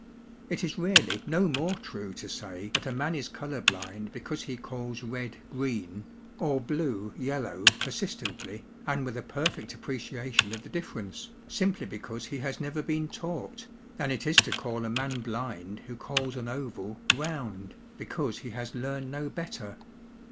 It is really no more true to say that a man is colour blind because he calls red 'green,' or blue 'yellow' persistently, and with a perfect appreciation of the difference, simply because he has never been taught, than it is to call a man blind who calls an oval 'round,' because he has learned no better.